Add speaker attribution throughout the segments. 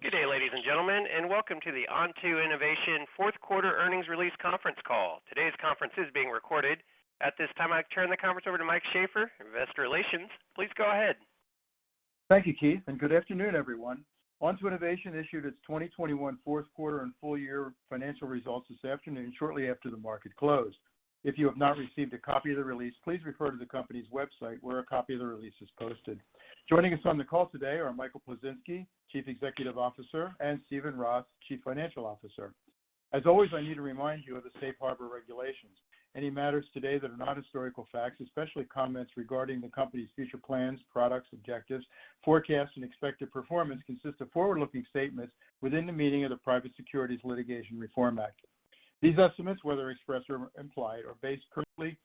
Speaker 1: Good day, ladies and gentlemen, and welcome to the Onto Innovation fourth quarter earnings release conference call. Today's conference is being recorded. At this time, I turn the conference over to Mike Sheaffer, Investor Relations. Please go ahead.
Speaker 2: Thank you, Keith, and good afternoon, everyone. Onto Innovation issued its 2021 fourth quarter and full year financial results this afternoon shortly after the market closed. If you have not received a copy of the release, please refer to the company's website where a copy of the release is posted. Joining us on the call today are Michael Plisinski, Chief Executive Officer, and Steven Roth, Chief Financial Officer. As always, I need to remind you of the safe harbor regulations. Any matters today that are not historical facts, especially comments regarding the company's future plans, products, objectives, forecasts, and expected performance consist of forward-looking statements within the meaning of the Private Securities Litigation Reform Act. These estimates, whether expressed or implied, are based currently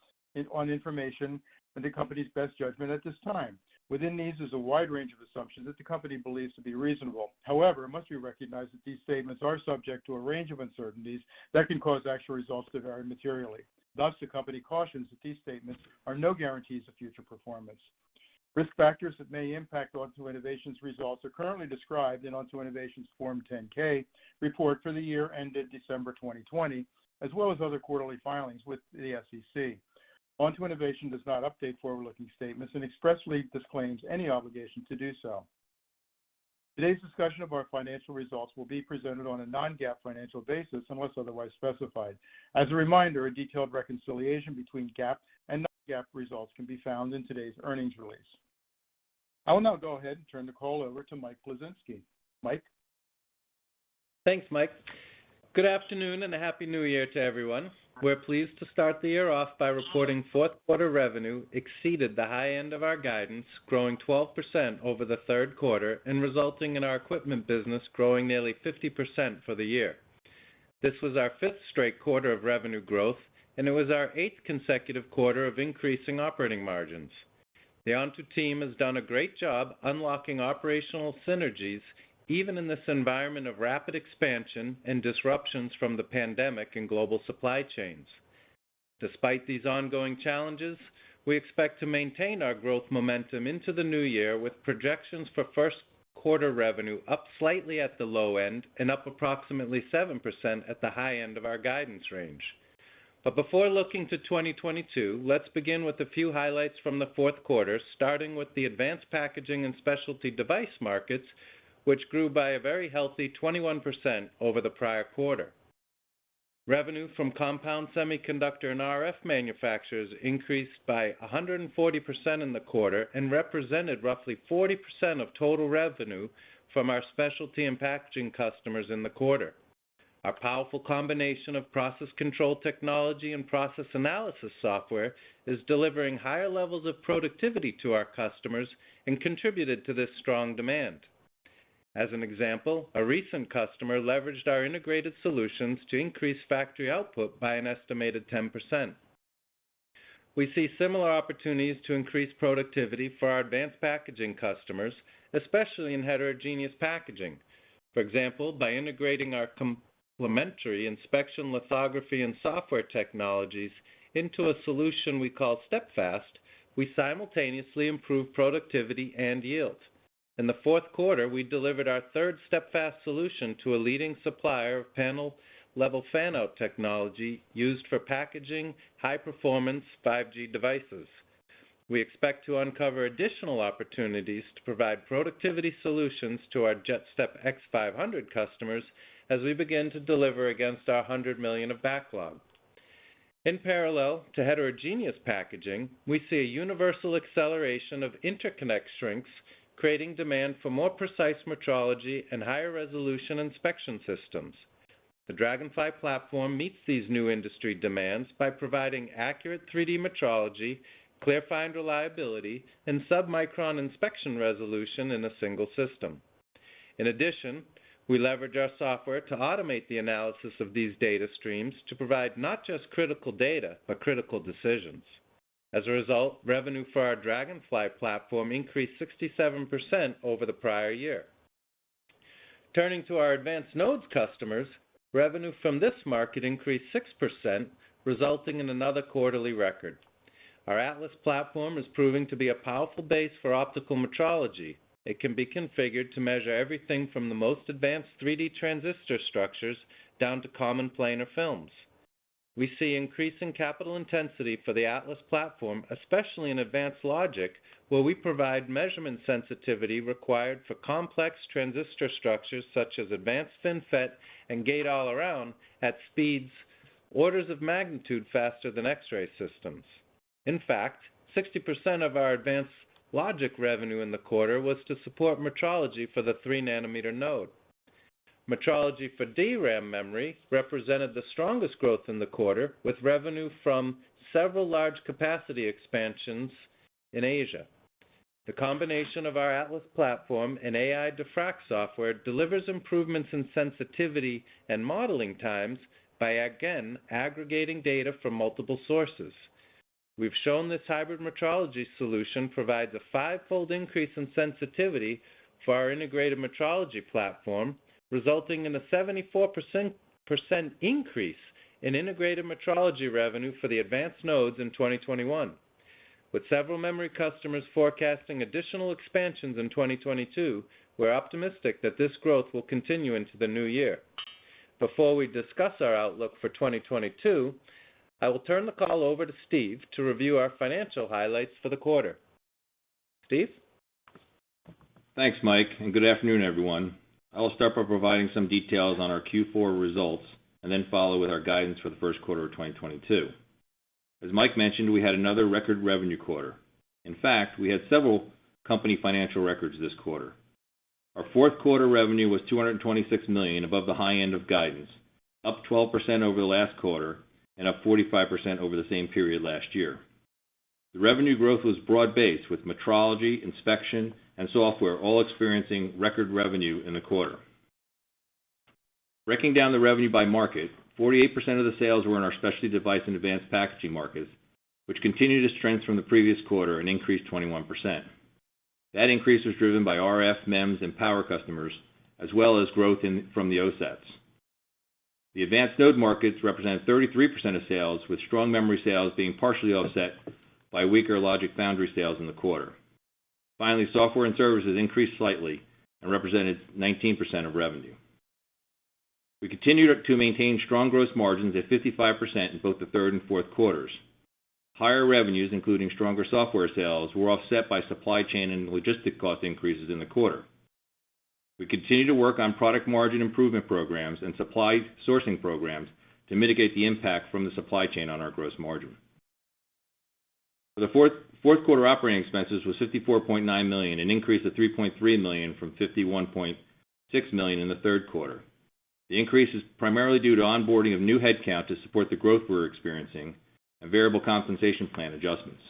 Speaker 2: on information and the company's best judgment at this time. Within these is a wide range of assumptions that the company believes to be reasonable. However, it must be recognized that these statements are subject to a range of uncertainties that can cause actual results to vary materially. Thus, the company cautions that these statements are no guarantees of future performance. Risk factors that may impact Onto Innovation's results are currently described in Onto Innovation's Form 10-K report for the year ended December 2020, as well as other quarterly filings with the SEC. Onto Innovation does not update forward-looking statements and expressly disclaims any obligation to do so. Today's discussion of our financial results will be presented on a non-GAAP financial basis unless otherwise specified. As a reminder, a detailed reconciliation between GAAP and non-GAAP results can be found in today's earnings release. I will now go ahead and turn the call over to Mike Plisinski. Mike.
Speaker 3: Thanks, Mike. Good afternoon and a happy New Year to everyone. We're pleased to start the year off by reporting fourth quarter revenue exceeded the high end of our guidance, growing 12% over the third quarter and resulting in our equipment business growing nearly 50% for the year. This was our fifth straight quarter of revenue growth, and it was our eighth consecutive quarter of increasing operating margins. The Onto team has done a great job unlocking operational synergies even in this environment of rapid expansion and disruptions from the pandemic and global supply chains. Despite these ongoing challenges, we expect to maintain our growth momentum into the new year with projections for first quarter revenue up slightly at the low end and up approximately 7% at the high end of our guidance range. Before looking to 2022, let's begin with a few highlights from the fourth quarter, starting with the advanced packaging and specialty device markets, which grew by a very healthy 21% over the prior quarter. Revenue from compound semiconductor and RF manufacturers increased by 140% in the quarter and represented roughly 40% of total revenue from our specialty and packaging customers in the quarter. Our powerful combination of process control technology and process analysis software is delivering higher levels of productivity to our customers and contributed to this strong demand. As an example, a recent customer leveraged our integrated solutions to increase factory output by an estimated 10%. We see similar opportunities to increase productivity for our advanced packaging customers, especially in heterogeneous packaging. For example, by integrating our complementary inspection lithography and software technologies into a solution we call StepFAST, we simultaneously improve productivity and yield. In the fourth quarter, we delivered our third StepFAST solution to a leading supplier of panel-level fan-out technology used for packaging high-performance 5G devices. We expect to uncover additional opportunities to provide productivity solutions to our JetStep X500 customers as we begin to deliver against our $100 million of backlog. In parallel to heterogeneous packaging, we see a universal acceleration of interconnect shrinks, creating demand for more precise metrology and higher resolution inspection systems. The DragonFly platform meets these new industry demands by providing accurate 3D metrology, ClearFind reliability, and submicron inspection resolution in a single system. In addition, we leverage our software to automate the analysis of these data streams to provide not just critical data, but critical decisions. As a result, revenue for our DragonFly platform increased 67% over the prior year. Turning to our advanced nodes customers, revenue from this market increased 6%, resulting in another quarterly record. Our Atlas platform is proving to be a powerful base for optical metrology. It can be configured to measure everything from the most advanced 3D transistor structures down to common planar films. We see increasing capital intensity for the Atlas platform, especially in advanced logic, where we provide measurement sensitivity required for complex transistor structures such as advanced FinFET and Gate-All-Around at speeds orders of magnitude faster than X-ray systems. In fact, 60% of our advanced logic revenue in the quarter was to support metrology for the 3 nm node. Metrology for DRAM memory represented the strongest growth in the quarter, with revenue from several large capacity expansions in Asia. The combination of our Atlas platform and Ai Diffract software delivers improvements in sensitivity and modeling times by again aggregating data from multiple sources. We've shown this hybrid metrology solution provides a five-fold increase in sensitivity for our integrated metrology platform, resulting in a 74% increase in integrated metrology revenue for the advanced nodes in 2021. With several memory customers forecasting additional expansions in 2022, we're optimistic that this growth will continue into the new year. Before we discuss our outlook for 2022, I will turn the call over to Steve to review our financial highlights for the quarter. Steve?
Speaker 4: Thanks, Mike, and good afternoon, everyone. I will start by providing some details on our Q4 results and then follow with our guidance for the first quarter of 2022. As Mike mentioned, we had another record revenue quarter. In fact, we had several company financial records this quarter. Our fourth quarter revenue was $226 million above the high end of guidance, up 12% over last quarter and up 45% over the same period last year. The revenue growth was broad-based with metrology, inspection, and software all experiencing record revenue in the quarter. Breaking down the revenue by market, 48% of the sales were in our specialty device and advanced packaging markets, which continued its trends from the previous quarter and increased 21%. That increase was driven by RF, MEMS, and power customers, as well as growth from the OSATs. The advanced node markets represented 33% of sales, with strong memory sales being partially offset by weaker logic foundry sales in the quarter. Finally, software and services increased slightly and represented 19% of revenue. We continued to maintain strong gross margins at 55% in both the third and fourth quarters. Higher revenues, including stronger software sales, were offset by supply chain and logistic cost increases in the quarter. We continue to work on product margin improvement programs and supply sourcing programs to mitigate the impact from the supply chain on our gross margin. The fourth quarter operating expenses was $54.9 million, an increase of $3.3 million from $51.6 million in the third quarter. The increase is primarily due to onboarding of new headcount to support the growth we're experiencing and variable compensation plan adjustments.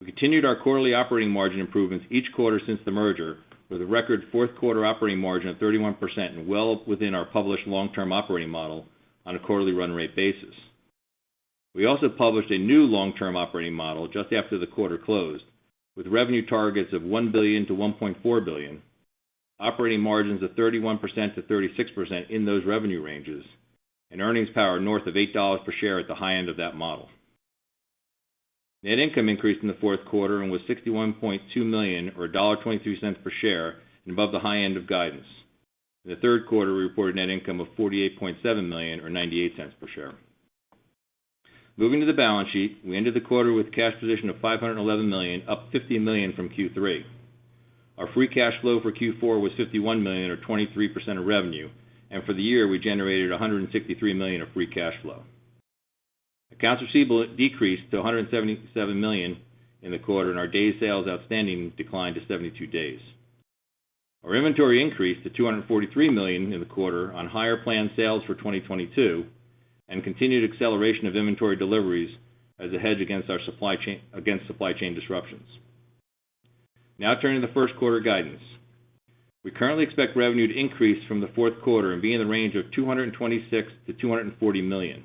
Speaker 4: We continued our quarterly operating margin improvements each quarter since the merger, with a record fourth quarter operating margin of 31% and well within our published long-term operating model on a quarterly run rate basis. We also published a new long-term operating model just after the quarter closed, with revenue targets of $1 billion-$1.4 billion, operating margins of 31%-36% in those revenue ranges, and earnings power north of $8 per share at the high end of that model. Net income increased in the fourth quarter and was $61.2 million or $1.22 per share and above the high end of guidance. In the third quarter, we reported net income of $48.7 million or $0.98 per share. Moving to the balance sheet, we ended the quarter with cash position of $511 million, up $50 million from Q3. Our free cash flow for Q4 was $51 million or 23% of revenue, and for the year, we generated $163 million of free cash flow. Accounts receivable decreased to $177 million in the quarter, and our days sales outstanding declined to 72 days. Our inventory increased to $243 million in the quarter on higher planned sales for 2022 and continued acceleration of inventory deliveries as a hedge against supply chain disruptions. Now turning to first quarter guidance. We currently expect revenue to increase from the fourth quarter and be in the range of $226 million-$240 million.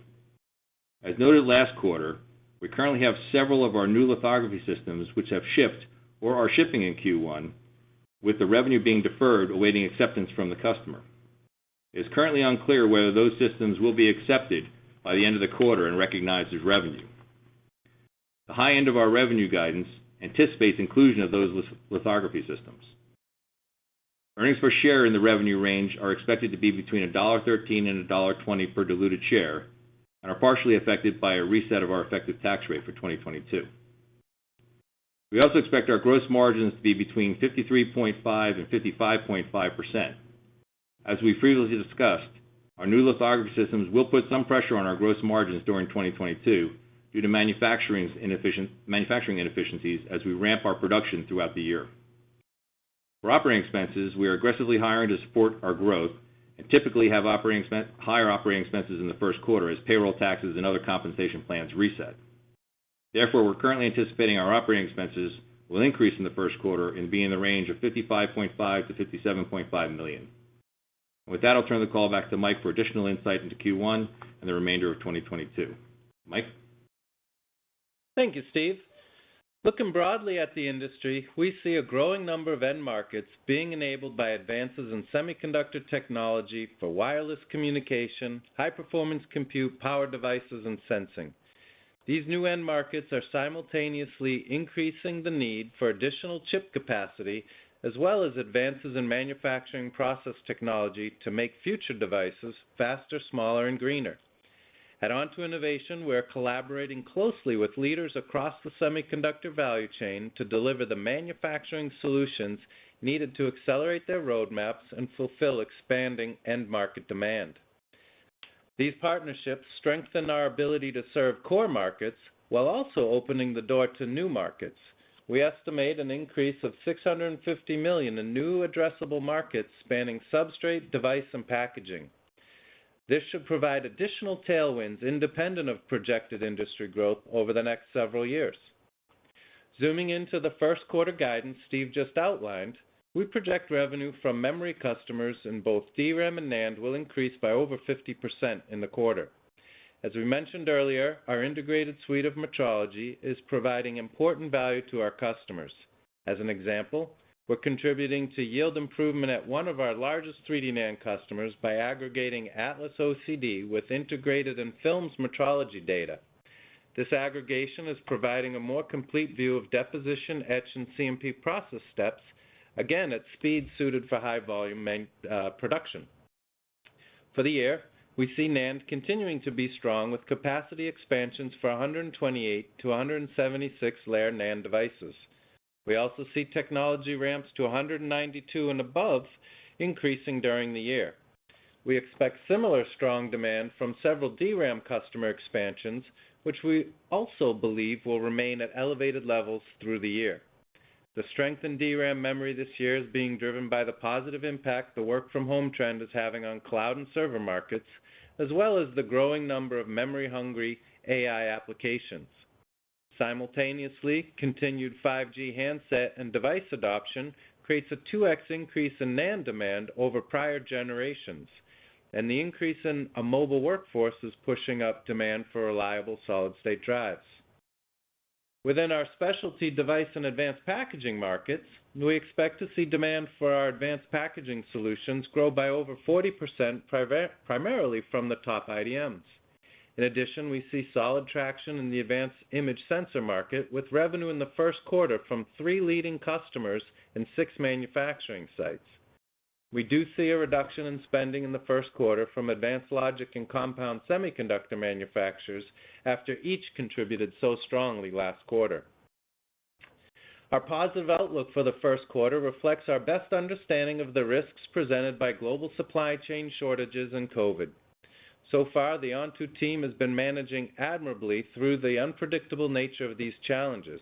Speaker 4: As noted last quarter, we currently have several of our new lithography systems which have shipped or are shipping in Q1, with the revenue being deferred, awaiting acceptance from the customer. It's currently unclear whether those systems will be accepted by the end of the quarter and recognized as revenue. The high end of our revenue guidance anticipates inclusion of those lithography systems. Earnings per share in the revenue range are expected to be between $1.13 and $1.20 per diluted share and are partially affected by a reset of our effective tax rate for 2022. We also expect our gross margins to be between 53.5% and 55.5%. As we previously discussed, our new lithography systems will put some pressure on our gross margins during 2022 due to manufacturing inefficiencies as we ramp our production throughout the year. For operating expenses, we are aggressively hiring to support our growth and typically have higher operating expenses in the first quarter as payroll taxes and other compensation plans reset. Therefore, we're currently anticipating our operating expenses will increase in the first quarter and be in the range of $55.5 million-$57.5 million. With that, I'll turn the call back to Mike for additional insight into Q1 and the remainder of 2022. Mike?
Speaker 3: Thank you, Steve. Looking broadly at the industry, we see a growing number of end markets being enabled by advances in semiconductor technology for wireless communication, high-performance compute, power devices, and sensing. These new end markets are simultaneously increasing the need for additional chip capacity, as well as advances in manufacturing process technology to make future devices faster, smaller, and greener. At Onto Innovation, we are collaborating closely with leaders across the semiconductor value chain to deliver the manufacturing solutions needed to accelerate their roadmaps and fulfill expanding end market demand. These partnerships strengthen our ability to serve core markets while also opening the door to new markets. We estimate an increase of $650 million in new addressable markets spanning substrate, device, and packaging. This should provide additional tailwinds independent of projected industry growth over the next several years. Zooming into the first quarter guidance Steve just outlined, we project revenue from memory customers in both DRAM and NAND will increase by over 50% in the quarter. As we mentioned earlier, our integrated suite of metrology is providing important value to our customers. As an example, we're contributing to yield improvement at one of our largest 3D NAND customers by aggregating Atlas OCD with integrated and thin films metrology data. This aggregation is providing a more complete view of deposition, etch, and CMP process steps, again, at speed suited for high volume production. For the year, we see NAND continuing to be strong with capacity expansions for 128- to 176-layer NAND devices. We also see technology ramps to 192 and above increasing during the year. We expect similar strong demand from several DRAM customer expansions, which we also believe will remain at elevated levels through the year. The strength in DRAM memory this year is being driven by the positive impact the work from home trend is having on cloud and server markets, as well as the growing number of memory-hungry AI applications. Simultaneously, continued 5G handset and device adoption creates a 2x increase in NAND demand over prior generations, and the increase in a mobile workforce is pushing up demand for reliable solid-state drives. Within our specialty device and advanced packaging markets, we expect to see demand for our advanced packaging solutions grow by over 40% primarily from the top IDMs. In addition, we see solid traction in the advanced image sensor market, with revenue in the first quarter from three leading customers in six manufacturing sites. We do see a reduction in spending in the first quarter from advanced logic and compound semiconductor manufacturers after each contributed so strongly last quarter. Our positive outlook for the first quarter reflects our best understanding of the risks presented by global supply chain shortages and COVID. So far, the Onto team has been managing admirably through the unpredictable nature of these challenges.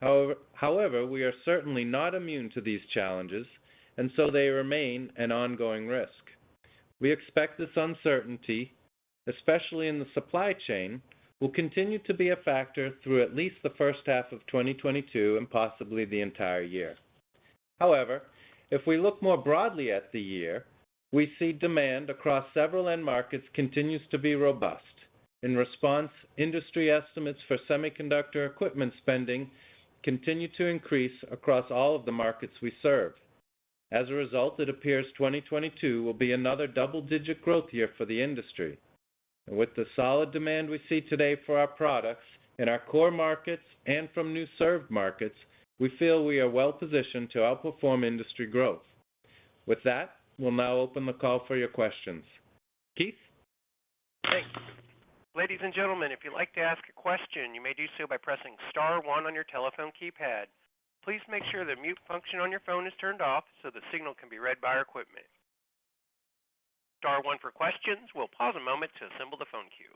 Speaker 3: However, we are certainly not immune to these challenges, and so they remain an ongoing risk. We expect this uncertainty, especially in the supply chain, will continue to be a factor through at least the first half of 2022, and possibly the entire year. However, if we look more broadly at the year, we see demand across several end markets continues to be robust. In response, industry estimates for semiconductor equipment spending continue to increase across all of the markets we serve. As a result, it appears 2022 will be another double-digit growth year for the industry. With the solid demand we see today for our products in our core markets and from new served markets, we feel we are well positioned to outperform industry growth. With that, we'll now open the call for your questions. Keith?
Speaker 1: Thanks. Ladies and gentlemen, if you'd like to ask a question, you may do so by pressing star one on your telephone keypad. Please make sure the mute function on your phone is turned off so the signal can be read by our equipment. Star one for questions. We'll pause a moment to assemble the phone queue.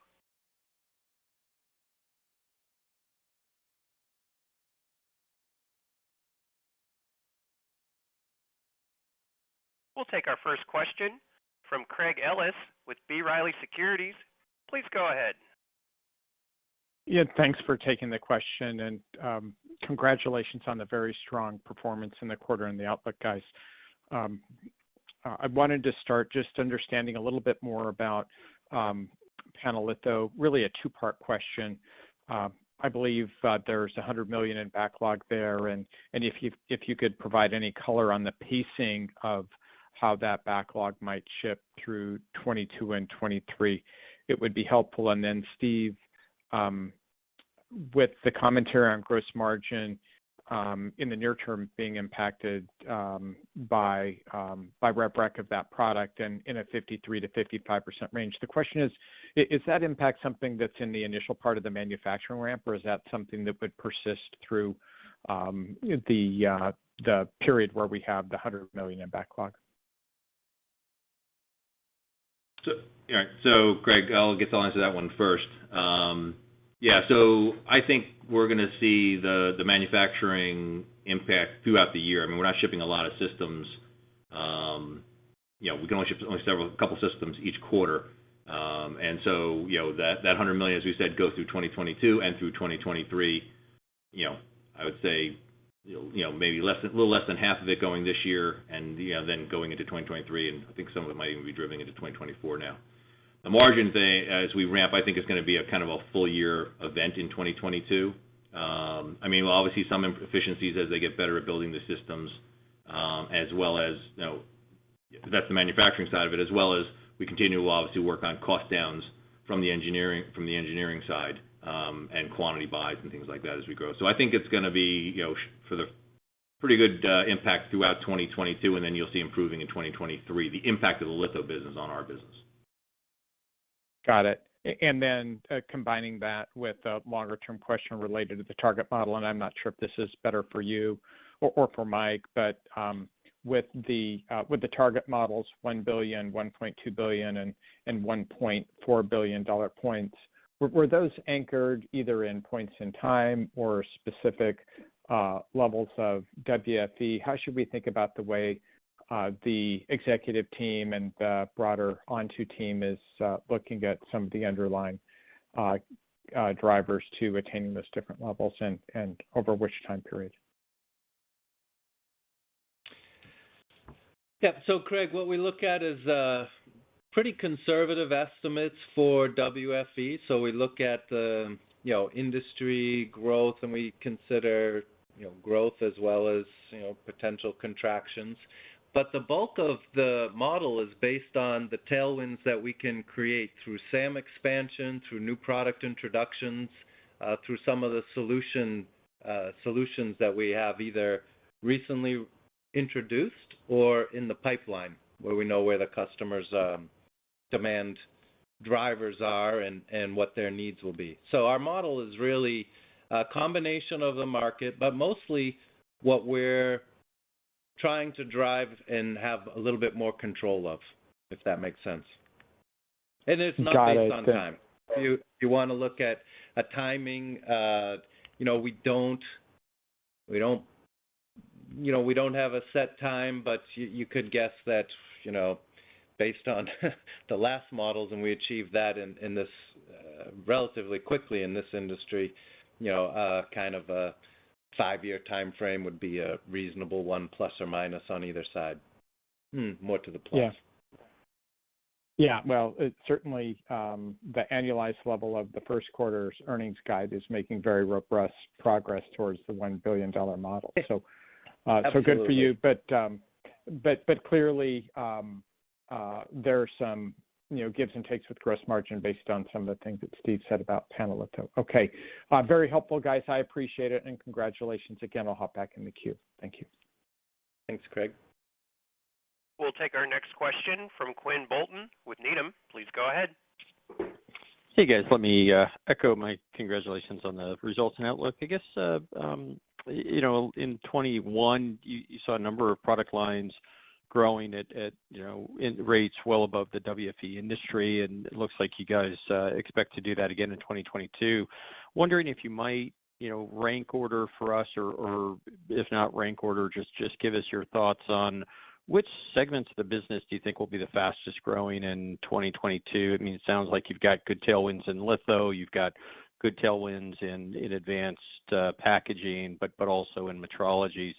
Speaker 1: We'll take our first question from Craig Ellis with B. Riley Securities. Please go ahead.
Speaker 5: Yeah, thanks for taking the question, and congratulations on the very strong performance in the quarter and the outlook, guys. I wanted to start just understanding a little bit more about panel litho. Really a two-part question. I believe there's $100 million in backlog there, and if you could provide any color on the pacing of how that backlog might ship through 2022 and 2023, it would be helpful. Then Steve, with the commentary on gross margin in the near term being impacted by ramp-up of that product and in a 53%-55% range. The question is that impact something that's in the initial part of the manufacturing ramp, or is that something that would persist through the period where we have the $100 million in backlog?
Speaker 4: All right. Craig, I'll, I guess, answer that one first. Yeah. I think we're gonna see the manufacturing impact throughout the year. I mean, we're not shipping a lot of systems. You know, we can only ship several, a couple systems each quarter. You know, that $100 million, as we said, goes through 2022 and through 2023. You know, I would say, you know, maybe a little less than half of it going this year and, you know, then going into 2023, and I think some of it might even be dripping into 2024 now. The margins, as we ramp, I think it's gonna be a kind of a full year event in 2022. I mean, obviously some efficiencies as they get better at building the systems, as well as, you know, that's the manufacturing side of it, as well as we continue to obviously work on cost downs from the engineering side, and quantity buys and things like that as we grow. I think it's gonna be, you know, should be a pretty good impact throughout 2022, and then you'll see improving in 2023, the impact of the litho business on our business.
Speaker 5: Got it. Combining that with a longer-term question related to the target model, and I'm not sure if this is better for you or for Mike. With the target models, $1 billion, $1.2 billion, and $1.4 billion points, were those anchored either in points in time or specific levels of WFE? How should we think about the way the executive team and the broader Onto team is looking at some of the underlying drivers to attaining those different levels and over which time period?
Speaker 3: Yeah. Craig, what we look at is pretty conservative estimates for WFE. We look at the, you know, industry growth, and we consider, you know, growth as well as, you know, potential contractions. The bulk of the model is based on the tailwinds that we can create through SAM expansion, through new product introductions, through some of the solution, solutions that we have either recently introduced or in the pipeline, where we know the customers' demand drivers are and what their needs will be. Our model is really a combination of the market, but mostly what we're trying to drive and have a little bit more control of, if that makes sense. It's not based on time. If you wanna look at a timing, you know, we don't. You know, we don't have a set time, but you could guess that, you know, based on the last models, and we achieved that in this relatively quickly in this industry, you know, kind of a five-year timeframe would be a reasonable one, plus or minus on either side.
Speaker 5: Hmm.
Speaker 3: More to the plus.
Speaker 5: Yeah. Well, it certainly, the annualized level of the first quarter's earnings guide is making very robust progress towards the $1 billion model.
Speaker 3: Yes.
Speaker 5: So, uh-
Speaker 3: Absolutely
Speaker 5: So good for you. Clearly, there are some, you know, gives and takes with gross margin based on some of the things that Steve said about panel litho. Okay. Very helpful, guys. I appreciate it, and congratulations again. I'll hop back in the queue. Thank you.
Speaker 3: Thanks, Craig.
Speaker 1: We'll take our next question from Quinn Bolton with Needham. Please go ahead.
Speaker 6: Hey, guys. Let me echo my congratulations on the results and outlook. I guess, you know, in 2021, you saw a number of product lines growing at you know in rates well above the WFE industry, and it looks like you guys expect to do that again in 2022. Wondering if you might, you know, rank order for us, or if not rank order, just give us your thoughts on which segments of the business do you think will be the fastest growing in 2022. I mean, it sounds like you've got good tailwinds in litho. You've got good tailwinds in advanced packaging, but also in metrology.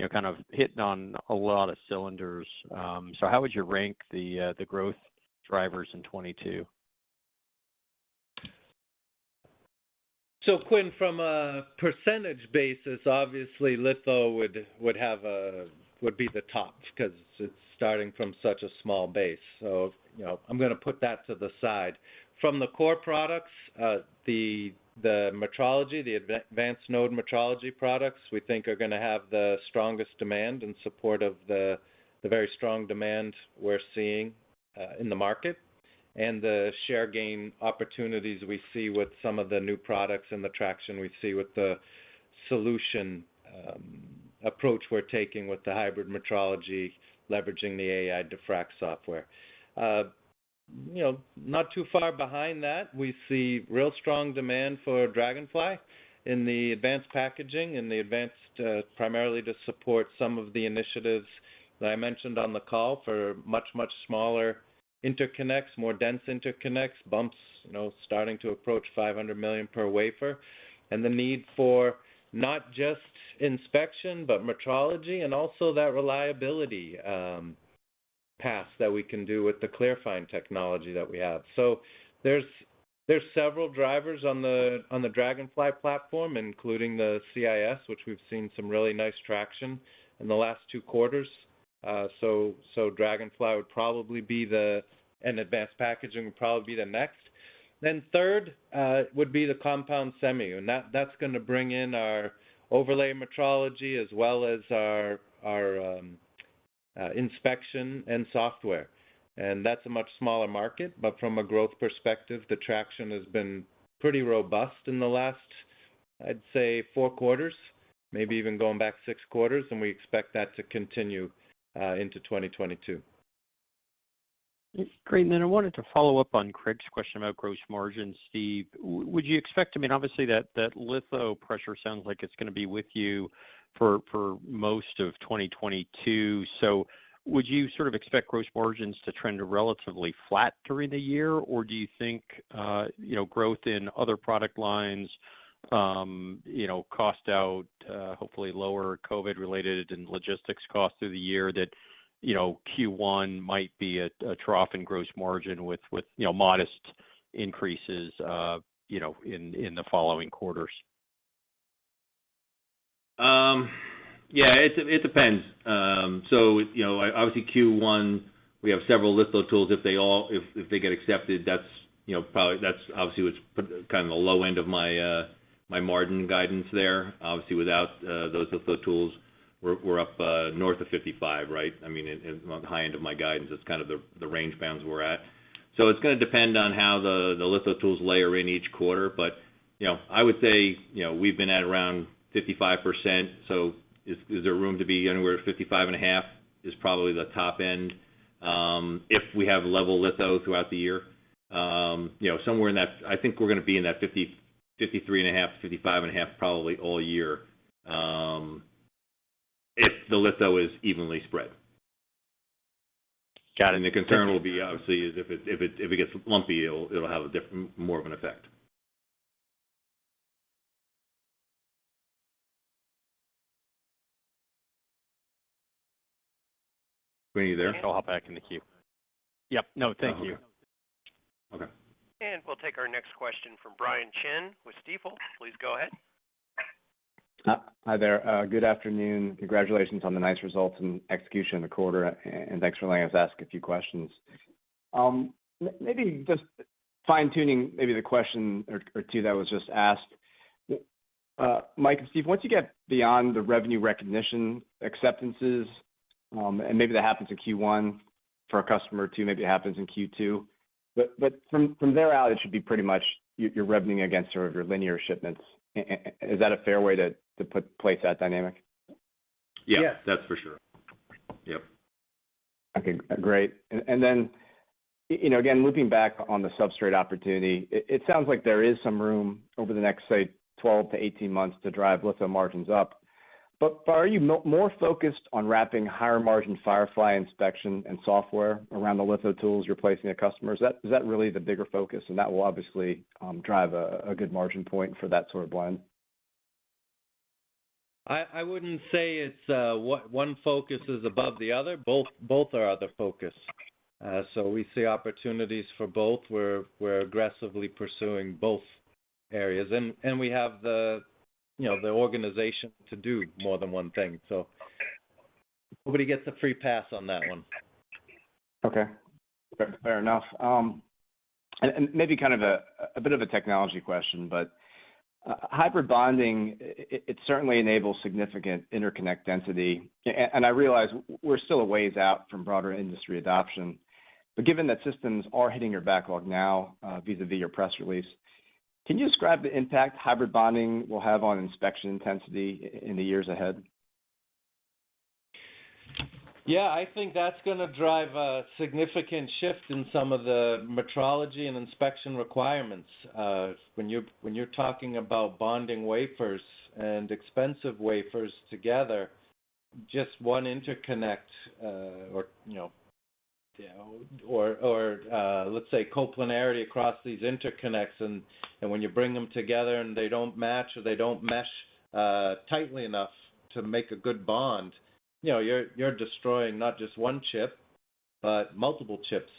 Speaker 6: You know, kind of hitting on a lot of cylinders. How would you rank the growth drivers in 2022?
Speaker 3: Quinn, from a percentage basis, obviously, litho would be the top 'cause it's starting from such a small base. You know, I'm gonna put that to the side. From the core products, the metrology, the advanced node metrology products, we think are gonna have the strongest demand in support of the very strong demand we're seeing in the market. The share gain opportunities we see with some of the new products and the traction we see with the solution approach we're taking with the hybrid metrology, leveraging the Ai Diffract software. You know, not too far behind that, we see real strong demand for DragonFly in the advanced packaging, primarily to support some of the initiatives that I mentioned on the call for much smaller interconnects, more dense interconnects, bumps, you know, starting to approach 500 million per wafer. The need for not just inspection, but metrology, and also that reliability path that we can do with the ClearFind technology that we have. There's several drivers on the DragonFly platform, including the CIS, which we've seen some really nice traction in the last two quarters. DragonFly would probably be in advanced packaging, would probably be the next. Third would be the compound semi, and that's gonna bring in our overlay metrology as well as our inspection and software. That's a much smaller market, but from a growth perspective, the traction has been pretty robust in the last, I'd say, four quarters, maybe even going back six quarters, and we expect that to continue into 2022.
Speaker 6: Great. Then I wanted to follow up on Craig's question about gross margin, Steve. Would you expect? I mean, obviously that litho pressure sounds like it's gonna be with you for most of 2022. Would you sort of expect gross margins to trend relatively flat during the year, or do you think, you know, growth in other product lines, you know, cost out, hopefully lower COVID-related and logistics costs through the year that, you know, Q1 might be a trough in gross margin with, you know, modest increases, you know, in the following quarters?
Speaker 4: Yeah. It depends. So, you know, obviously Q1, we have several litho tools. If they all get accepted, you know, probably, that's obviously what's kind of the low end of my margin guidance there. Obviously, without those litho tools, we're up north of 55%, right? I mean, the high end of my guidance is kind of the range bounds we're at. It's gonna depend on how the litho tools layer in each quarter. You know, I would say, you know, we've been at around 55%, so is there room to be anywhere 55.5%, is probably the top end, if we have level litho throughout the year. You know, somewhere in that, I think we're gonna be in that 50%, 53.5%, 55.5% probably all year, if the litho is evenly spread.
Speaker 6: Got it.
Speaker 4: The concern will be, obviously, if it gets lumpy, it'll have more of an effect. We need there?
Speaker 6: I'll hop back in the queue. Yep. No, thank you.
Speaker 4: Okay.
Speaker 1: We'll take our next question from Brian Chin with Stifel. Please go ahead.
Speaker 7: Hi there. Good afternoon. Congratulations on the nice results and execution in the quarter, and thanks for letting us ask a few questions. Maybe just fine-tuning the question or two that was just asked. Mike and Steve, once you get beyond the revenue recognition acceptances, and maybe that happens in Q1 for a customer too, maybe it happens in Q2, but from there out, it should be pretty much you're revving against sort of your linear shipments. Is that a fair way to place that dynamic?
Speaker 4: Yeah.
Speaker 3: Yes.
Speaker 4: That's for sure. Yep.
Speaker 7: Okay. Great. Then you know, again, looping back on the substrate opportunity, it sounds like there is some room over the next, say, 12 to 18 months to drive litho margins up. Are you more focused on wrapping higher margin Firefly inspection and software around the litho tools you're placing at customers? Is that really the bigger focus, and that will obviously drive a good margin point for that sort of blend?
Speaker 3: I wouldn't say it's one focus is above the other. Both are the focus. We see opportunities for both. We're aggressively pursuing both areas. We have the, you know, the organization to do more than one thing. Nobody gets a free pass on that one.
Speaker 7: Okay. Fair enough. Maybe kind of a bit of a technology question, but hybrid bonding it certainly enables significant interconnect density. I realize we're still a ways out from broader industry adoption, but given that systems are hitting your backlog now, vis-a-vis your press release, can you describe the impact hybrid bonding will have on inspection intensity in the years ahead?
Speaker 3: Yeah. I think that's gonna drive a significant shift in some of the metrology and inspection requirements. When you're talking about bonding wafers and expensive wafers together, just one interconnect, or, you know, let's say coplanarity across these interconnects and when you bring them together and they don't match or they don't mesh tightly enough to make a good bond, you know, you're destroying not just one chip, but multiple chips.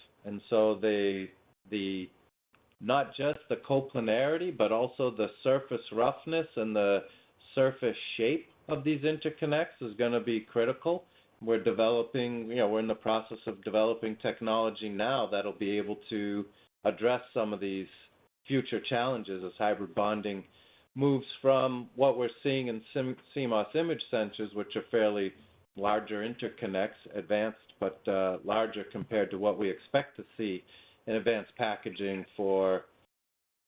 Speaker 3: Not just the coplanarity, but also the surface roughness and the surface shape of these interconnects is gonna be critical. We're developing... You know, we're in the process of developing technology now that'll be able to address some of these future challenges as hybrid bonding moves from what we're seeing in CMOS image sensors, which are fairly larger interconnects, advanced, but larger compared to what we expect to see in advanced packaging for,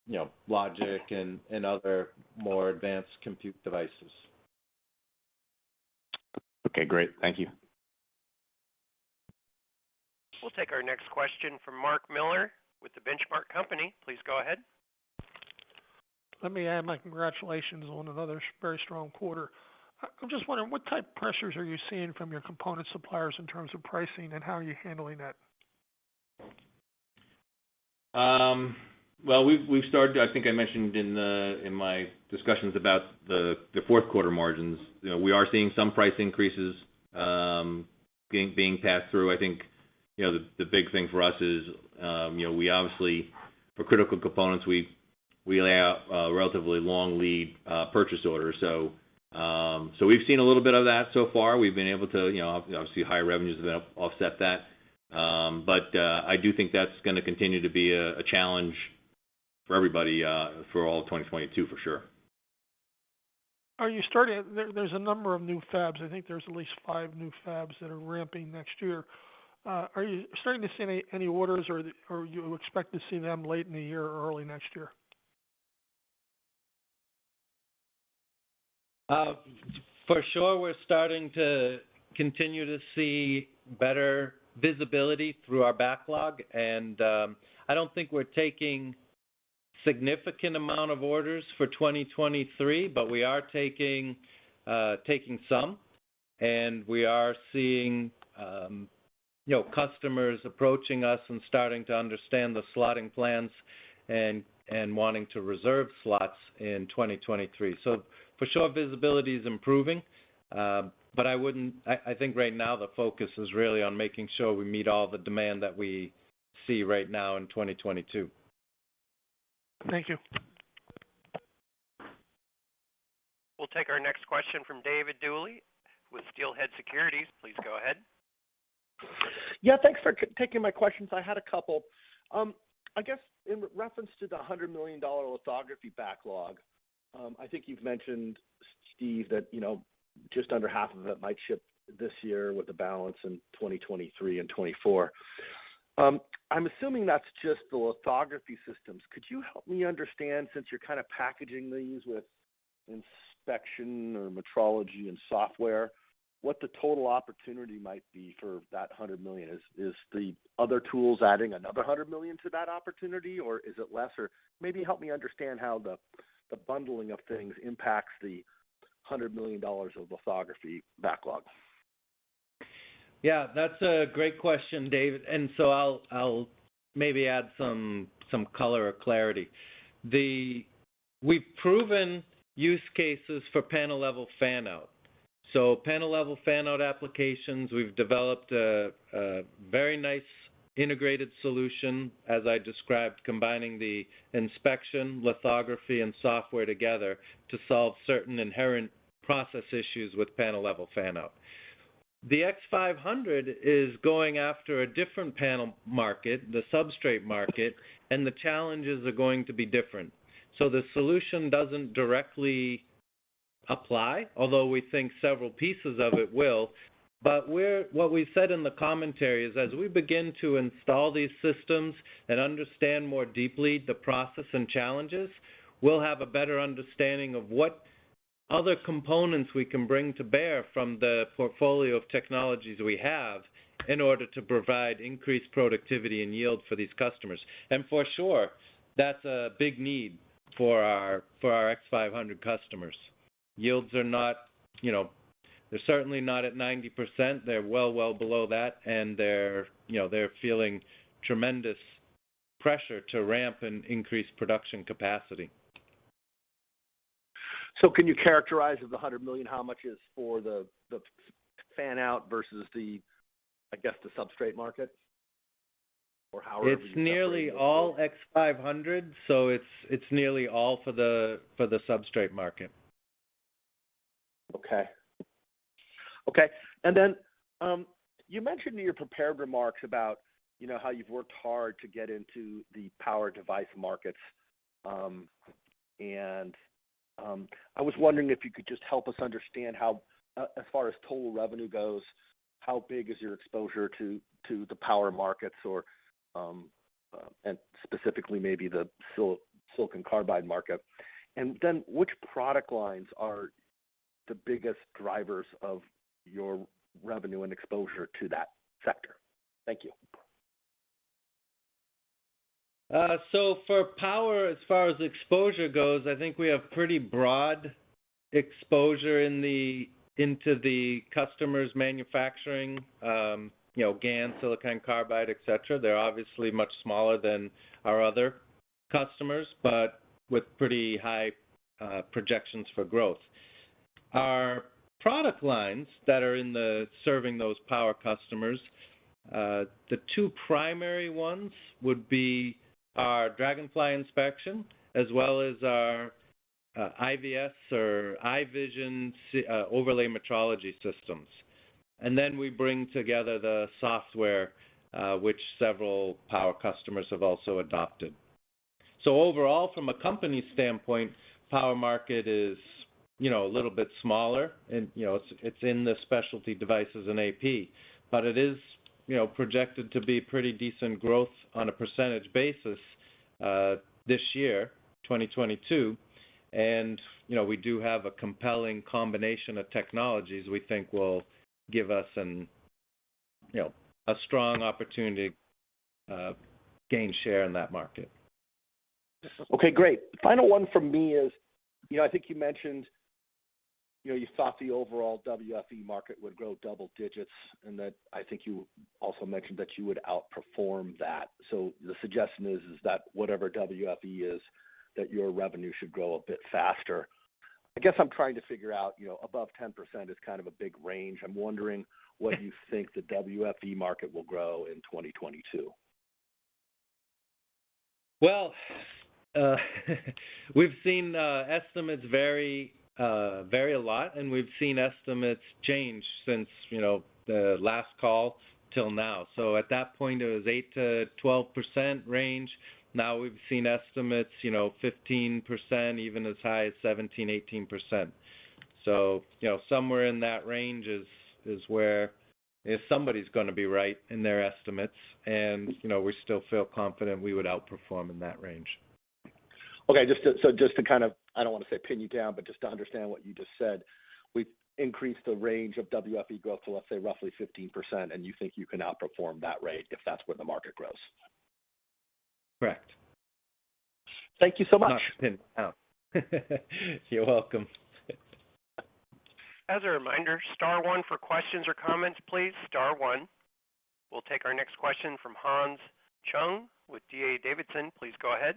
Speaker 3: you know, logic and other more advanced compute devices.
Speaker 7: Okay. Great. Thank you.
Speaker 1: We'll take our next question from Mark Miller with The Benchmark Company. Please go ahead.
Speaker 8: Let me add my congratulations on another very strong quarter. I'm just wondering, what type of pressures are you seeing from your component suppliers in terms of pricing, and how are you handling that?
Speaker 4: Well, we've started. I think I mentioned in my discussions about the fourth quarter margins, you know, we are seeing some price increases being passed through. I think, you know, the big thing for us is, you know, we obviously, for critical components, we lay out relatively long lead purchase orders. We've seen a little bit of that so far. We've been able to, you know, obviously higher revenues have been able to offset that. I do think that's gonna continue to be a challenge for everybody for all of 2022, for sure.
Speaker 8: There's a number of new fabs. I think there's at least five new fabs that are ramping next year. Are you starting to see any orders or you expect to see them late in the year or early next year?
Speaker 3: For sure we're starting to continue to see better visibility through our backlog, and I don't think we're taking significant amount of orders for 2023, but we are taking some, and we are seeing, you know, customers approaching us and starting to understand the slotting plans and wanting to reserve slots in 2023. For sure visibility is improving, but I think right now the focus is really on making sure we meet all the demand that we see right now in 2022.
Speaker 8: Thank you.
Speaker 1: We'll take our next question from David Duley with Steelhead Securities. Please go ahead.
Speaker 9: Yeah, thanks for taking my questions. I had a couple. I guess in reference to the $100 million lithography backlog, I think you've mentioned, Steve, that, you know, just under half of it might ship this year with the balance in 2023 and 2024. I'm assuming that's just the lithography systems. Could you help me understand, since you're kind of packaging these with inspection or metrology and software, what the total opportunity might be for that $100 million? Is the other tools adding another $100 million to that opportunity, or is it less? Or maybe help me understand how the bundling of things impacts the $100 million of lithography backlog.
Speaker 3: Yeah, that's a great question, David. I'll maybe add some color or clarity. We've proven use cases for panel-level fan-out. Panel-level fan-out applications, we've developed a very nice integrated solution, as I described, combining the inspection, lithography, and software together to solve certain inherent process issues with panel-level fan-out. The X500 is going after a different panel market, the substrate market, and the challenges are going to be different. The solution doesn't directly apply, although we think several pieces of it will. What we said in the commentary is, as we begin to install these systems and understand more deeply the process and challenges, we'll have a better understanding of what other components we can bring to bear from the portfolio of technologies we have in order to provide increased productivity and yield for these customers. For sure, that's a big need for our X500 customers. Yields are not, you know, they're certainly not at 90%. They're well below that, and you know, they're feeling tremendous pressure to ramp and increase production capacity.
Speaker 9: Can you characterize, of the $100 million, how much is for the fan-out versus the, I guess, the substrate market? Or however you categorize those.
Speaker 3: It's nearly all X500, so it's nearly all for the substrate market.
Speaker 9: Okay. Okay. You mentioned in your prepared remarks about, you know, how you've worked hard to get into the power device markets. I was wondering if you could just help us understand how, as far as total revenue goes, how big is your exposure to the power markets or, and specifically maybe the silicon carbide market. Which product lines are the biggest drivers of your revenue and exposure to that sector? Thank you.
Speaker 3: For power, as far as exposure goes, I think we have pretty broad exposure into the customers manufacturing, you know, GaN, silicon carbide, et cetera. They're obviously much smaller than our other customers, but with pretty high projections for growth. Our product lines that are serving those power customers, the two primary ones would be our DragonFly inspection as well as our IVS or iVision overlay metrology systems. Then we bring together the software, which several power customers have also adopted. Overall, from a company standpoint, power market is, you know, a little bit smaller and, you know, it's in the specialty devices in AP. It is, you know, projected to be pretty decent growth on a percentage basis, this year, 2022. You know, we do have a compelling combination of technologies we think will give us, you know, a strong opportunity to gain share in that market.
Speaker 9: Okay, great. Final one from me is, you know, I think you mentioned, you know, you thought the overall WFE market would grow double digits, and that I think you also mentioned that you would outperform that. The suggestion is that whatever WFE is, that your revenue should grow a bit faster. I guess I'm trying to figure out, you know, above 10% is kind of a big range. I'm wondering what you think the WFE market will grow in 2022.
Speaker 3: Well, we've seen estimates vary a lot, and we've seen estimates change since, you know, the last call till now. At that point, it was 8%-12% range. Now we've seen estimates, you know, 15%, even as high as 17%-18%. Somewhere in that range is where if somebody's gonna be right in their estimates, and, you know, we still feel confident we would outperform in that range.
Speaker 9: Just to kind of, I don't wanna say pin you down, but just to understand what you just said, we've increased the range of WFE growth to, let's say, roughly 15%, and you think you can outperform that rate if that's where the market grows.
Speaker 3: Correct.
Speaker 9: Thank you so much.
Speaker 3: Not pinned down. You're welcome.
Speaker 1: As a reminder, star one for questions or comments, please star one. We'll take our next question from Hans Chung with D.A. Davidson. Please go ahead.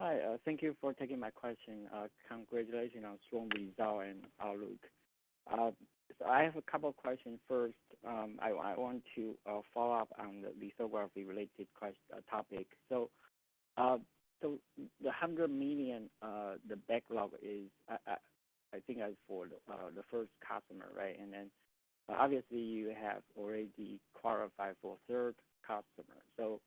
Speaker 10: Hi. Thank you for taking my question. Congratulations on strong result and outlook. I have a couple questions. First, I want to follow up on the lithography related topic. The $100 million backlog is, I think that's for the first customer, right? Obviously, you have already qualified for a third customer.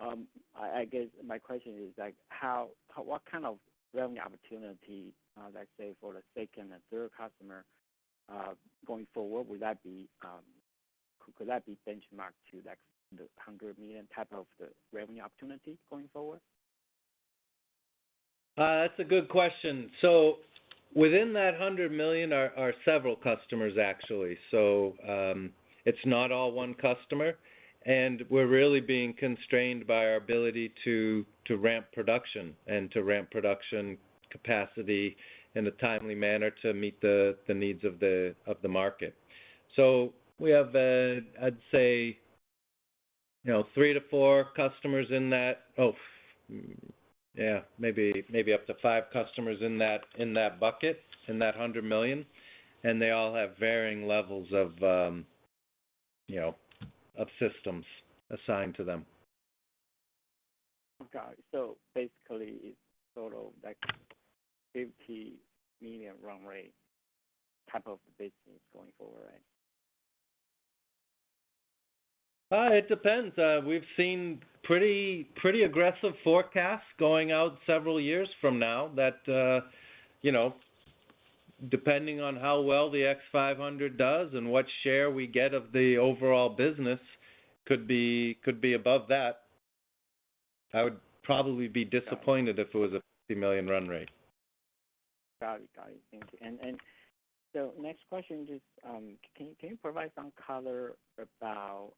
Speaker 10: I guess my question is like how what kind of revenue opportunity, let's say for the second and third customer going forward, would that be. Could that be benchmarked to like the $100 million type of the revenue opportunity going forward?
Speaker 3: That's a good question. Within that $100 million are several customers actually. It's not all one customer. We're really being constrained by our ability to ramp production and to ramp production capacity in a timely manner to meet the needs of the market. We have, I'd say, you know, three to four customers in that. Maybe up to five customers in that bucket, in that $100 million, and they all have varying levels of, you know, of systems assigned to them.
Speaker 10: Okay. Basically it's sort of like $50 million run rate type of business going forward, right?
Speaker 3: It depends. We've seen pretty aggressive forecasts going out several years from now that, you know, depending on how well the X500 does and what share we get of the overall business could be above that. I would probably be disappointed-
Speaker 10: Got it.
Speaker 3: if it was a $50 million run rate.
Speaker 10: Got it. Thank you. Next question is, can you provide some color about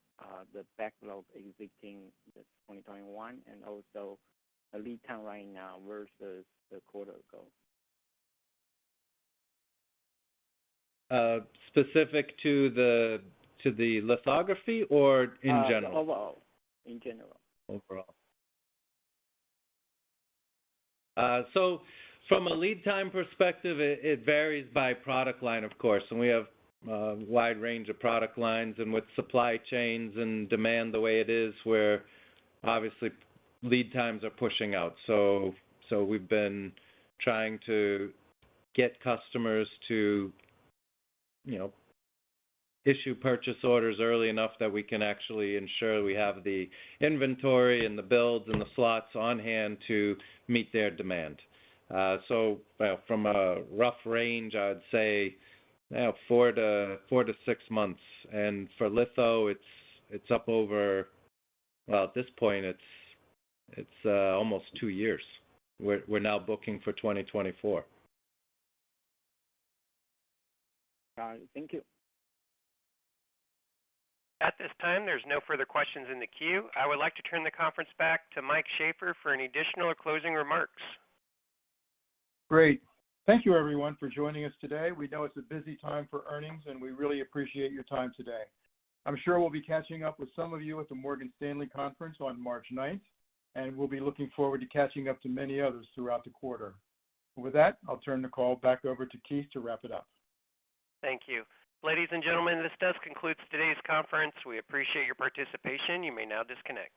Speaker 10: the backlog exiting this 2021, and also the lead time right now versus a quarter ago?
Speaker 3: Specific to the lithography or in general?
Speaker 10: Overall. In general. Overall.
Speaker 3: From a lead time perspective, it varies by product line, of course. We have a wide range of product lines, and with supply chains and demand the way it is where obviously lead times are pushing out. We've been trying to get customers to, you know, issue purchase orders early enough that we can actually ensure we have the inventory and the builds and the slots on-hand to meet their demand. From a rough range, I'd say, four to six months. For litho, it's up over. Well, at this point, it's almost two years. We're now booking for 2024.
Speaker 10: Got it. Thank you.
Speaker 1: At this time, there's no further questions in the queue. I would like to turn the conference back to Mike Sheaffer for any additional closing remarks.
Speaker 2: Great. Thank you everyone for joining us today. We know it's a busy time for earnings, and we really appreciate your time today. I'm sure we'll be catching up with some of you at the Morgan Stanley conference on March 9th, and we'll be looking forward to catching up to many others throughout the quarter. With that, I'll turn the call back over to Keith to wrap it up.
Speaker 1: Thank you. Ladies and gentlemen, this does conclude today's conference. We appreciate your participation. You may now disconnect.